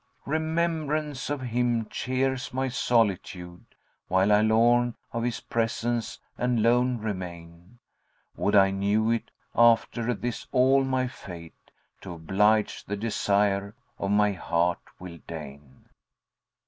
Remembrance of him cheers my solitude, * While I lorn of his presence and lone remain. Would I knew if, after this all, my fate * To oblige the desire of my hear will deign."